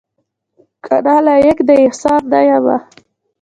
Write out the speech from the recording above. کنه لایق دې د احسان نه یمه